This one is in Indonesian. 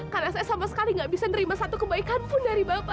karena saya sama sekali gak bisa nerima satu kebaikan pun dari bapak